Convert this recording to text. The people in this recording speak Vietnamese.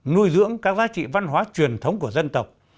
nuôi dưỡng các giá trị văn hóa truyền thống của dân tộc